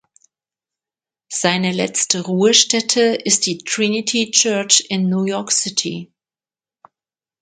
Seine letzte Ruhestätte ist die Trinity Church in New York City.